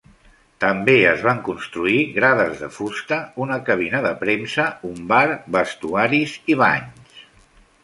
També es van construir grades de fusta, una cabina de premsa, un bar, vestuaris i banys.